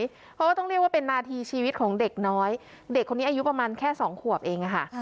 เพราะว่าต้องเรียกว่าเป็นนาทีชีวิตของเด็กน้อยเด็กคนนี้อายุประมาณแค่สองขวบเองค่ะ